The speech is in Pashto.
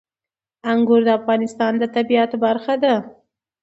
انګور د افغانستان د طبیعت برخه ده.